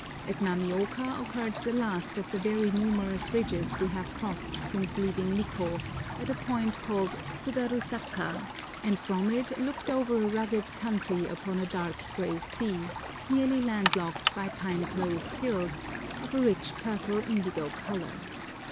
At Namioka occurred the last of the very numerous ridges we have crossed since leaving Nikkô at a point called Tsugarusaka, and from it looked over a rugged country upon a dark grey sea, nearly landlocked by pine clothed hills, of a rich purple indigo colour.